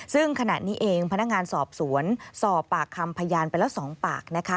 ซึ่งขณะนี้เองพนักงานสอบสวนสอบปากคำพยานไปแล้ว๒ปากนะคะ